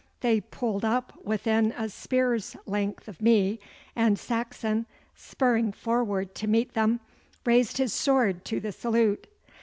They pulled up within a spear's length of me, and Saxon, spurring forward to meet them, raised his sword to the salute.